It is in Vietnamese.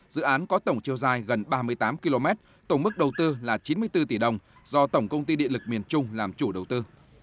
dự án có tổng chiều dài gần ba mươi tám km tổng mức đầu tư là chín mươi bốn tỷ đồng do tổng công ty điện lực miền trung làm chủ đầu tư